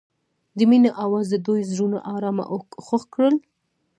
د مینه اواز د دوی زړونه ارامه او خوښ کړل.